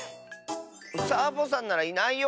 サボさんならいないよ。